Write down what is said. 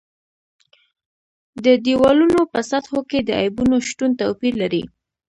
د دېوالونو په سطحو کې د عیبونو شتون توپیر لري.